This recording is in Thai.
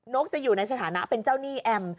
กจะอยู่ในสถานะเป็นเจ้าหนี้แอม